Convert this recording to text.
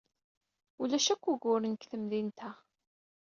Ulac akk uguren deg temdint-a.